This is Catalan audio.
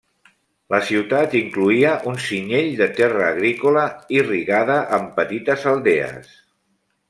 La ciutat incloïa un cinyell de terra agrícola irrigada amb petites aldees.